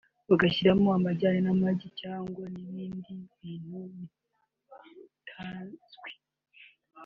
bagashyiramo amajyane n’amagi cyangwa n’ibindi bintu bitazwi